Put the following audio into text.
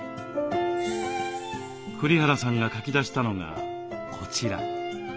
栗原さんが書き出したのがこちら。